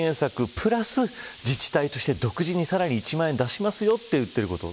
プラス自治体として独自にさらに１万円出すよ、と言っている。